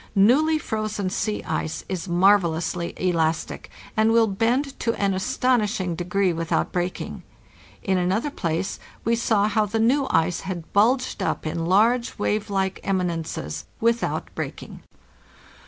, Newly frozen sea ice is marvellously elastic, and will bend to an astonishing degree without breaking. In another place we saw how the new ice had bulged up in large wave like emi nences, without breaking.